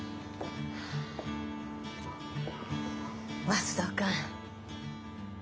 松戸君。